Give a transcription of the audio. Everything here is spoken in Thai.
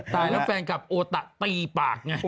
ตายแล้วแฟนคลับโอตะตีปากไง